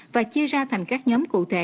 và chia ra thành các nhóm cụ thể